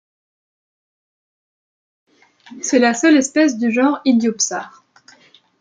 C'est la seule espèce du genre Idiopsar.